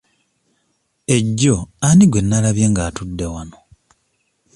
Ejjo ani gwe nalabye nga atudde wano?